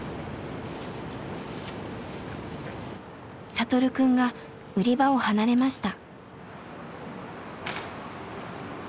聖くんが売り場を離れました。